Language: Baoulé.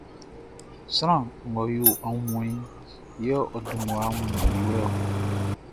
Sran ngʼɔ yo aunmuanʼn, yɛ ɔ dun mmua wun i wlɛ-ɔ.